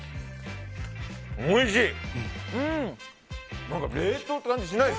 おいしい！